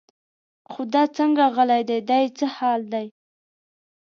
خو دا څنګه غلی دی دا یې څه حال دی.